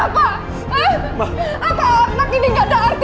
apa anak ini gak ada artinya